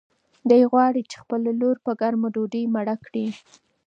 دی غواړي چې خپله لور په ګرمه ډوډۍ مړه کړي.